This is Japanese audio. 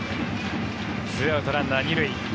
２アウト、ランナー２塁。